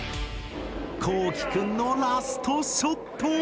こうきくんのラストショット！